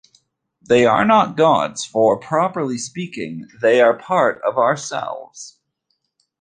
They are not gods, for properly speaking, they are part of ourselves.